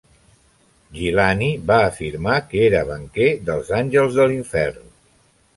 Gillani va afirmar que era banquer dels Àngels de l'Infern.